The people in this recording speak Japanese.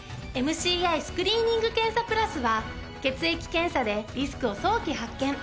ＭＣＩスクリーニング検査プラスは血液検査でリスクを早期発見。